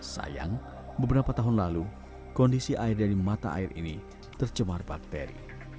sayang beberapa tahun lalu kondisi air dari mata air ini tercemar bakteri